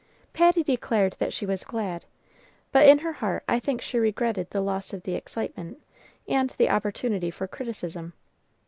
Patty declared that she was glad; but in her heart I think she regretted the loss of the excitement, and the opportunity for criticism.